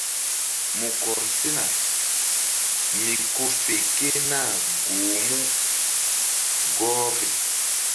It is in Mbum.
Mu kɔr sena mi ko fe ke nah goh mu gɔh fe.